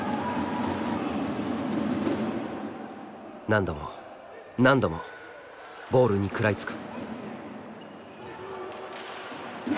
何度も何度もボールに食らいつく。